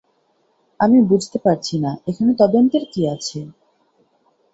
আমি বুঝতে পারছিনা, এখানে তদন্তের কী আছে।